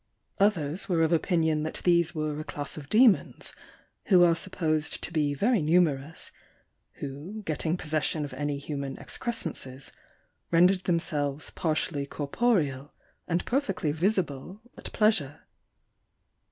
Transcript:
Others were of opinion that these were a class of demons, who are supposed to be very numerous, who getting possession of any human excrescences, rendered them selves partially corporeal, and perfectly visible at pleasure.